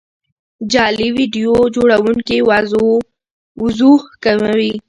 جعلي ویډیو جوړونکي وضوح کموي.